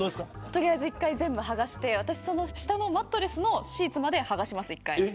取りあえず全部はがして下のマットレスのシーツまではがします。